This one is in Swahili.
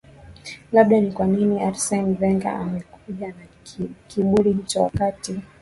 labda ni kwa nini arsene venga amekuja na kiburi hicho wakati